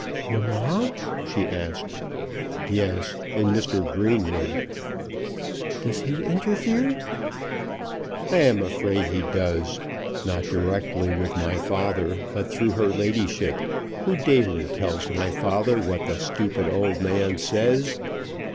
"Mamma?" she asked. "Yes; and Mr. Greenwood." "Does he interfere?" "I am afraid he does; not directly with my father, but through her ladyship, who daily tells my father what the stupid old man says.